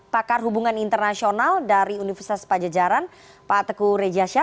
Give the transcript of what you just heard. pakar hubungan internasional dari universitas pajajaran pak teguh rejasha